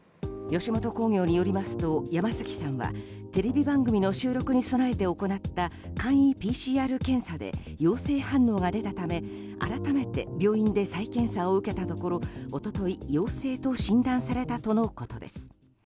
吉本興業によりますと山崎さんはテレビ番組の収録に備えて行った簡易ＰＣＲ検査で陽性反応が出たため改めて病院で再検査を受けたところ、一昨日陽性と診断されたとのことです。